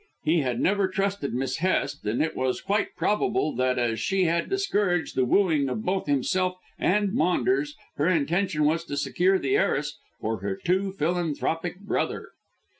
He had never trusted Miss Hest, and it was quite probable that as she had discouraged the wooing of both himself and Maunders her intention was to secure the heiress for her too philanthropic brother.